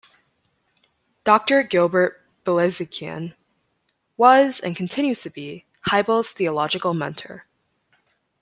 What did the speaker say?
Doctor Gilbert Bilezikian was, and continues to be, Hybels' theological mentor.